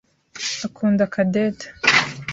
akunda Cadette.